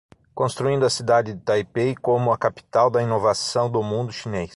Construindo a cidade de Taipei como a capital da inovação do mundo chinês